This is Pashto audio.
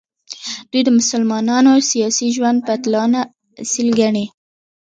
دوی د مسلمانانو سیاسي ژوند بدلانه اصل ګڼي.